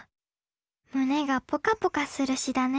胸がポカポカする詩だね。